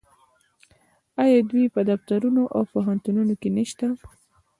آیا دوی په دفترونو او پوهنتونونو کې نشته؟